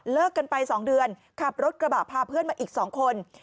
กันไป๒เดือนขับรถกระบะพาเพื่อนมาอีก๒คน